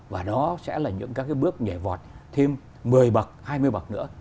và đó sẽ là những các cái bước nhảy vọt thêm một mươi bậc hai mươi bậc nữa